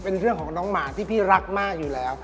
เรื่องของน้องหมาที่พี่รักมากอยู่แล้ว